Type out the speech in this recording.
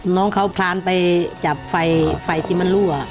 น้องเขาพลานไปจับไฟที่มันรั่ว